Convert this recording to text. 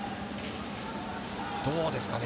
どうですか？